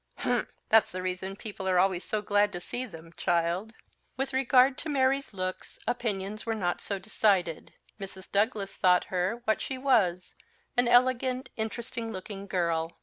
"Humph! that's the reason people are always so glad to see them, child." With regard to Mary's looks, opinions were not so decided. Mrs. Douglas thought her, what she was, an elegant, interesting looking girl.